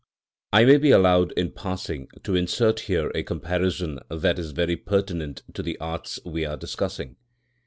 I may be allowed, in passing, to insert here a comparison that is very pertinent to the arts we are discussing.